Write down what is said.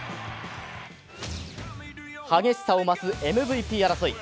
激しさを増すＭＶＰ争い。